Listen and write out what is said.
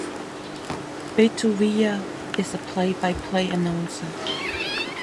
Beto Villa is the play-by-play announcer.